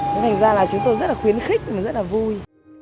nên thành ra là chúng tôi rất là khuyến khích và rất là vui